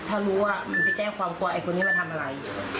ถ้ารู้ว่ามันไปแจ้งความกลัวไอ้คนนี้มาทำอะไร